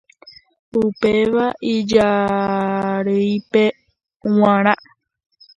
Upéva ijarýipe g̃uarã.